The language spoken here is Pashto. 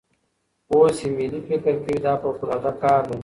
اوس ایمیلی فکر کوي دا فوقالعاده کار دی.